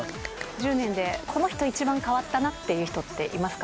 １０年で、この人一番変わったなっていう人っていますか？